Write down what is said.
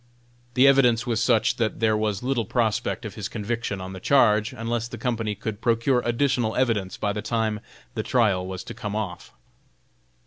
The evidence was such that there was little prospect of his conviction on the charge unless the company could procure additional evidence by the time the trial was to come off.